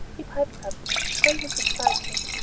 he piped up, shrill with excitement.